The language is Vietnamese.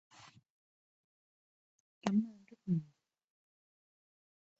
cảm ơn rất nhiều